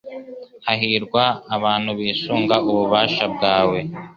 Hahirwa abantu bisunga ububasha bwawe